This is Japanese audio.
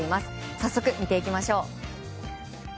早速、見ていきましょう。